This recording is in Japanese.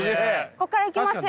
こっからいきますよ。